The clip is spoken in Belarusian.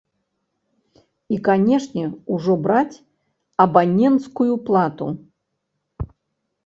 І, канешне, ужо браць абаненцкую плату.